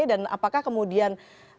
dan apakah kemudian